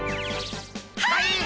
はい！